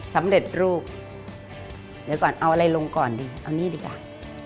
สำเร็จรูปเดี๋ยวก่อนเอาอะไรลงก่อนดีเอานี่ดีกว่า